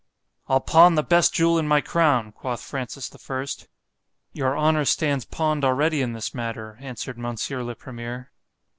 ——I'll pawn the best jewel in my crown, quoth Francis the First. Your honour stands pawn'd already in this matter, answered Monsieur _le Premier.